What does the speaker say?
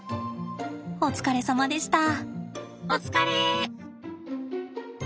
お疲れさまでした。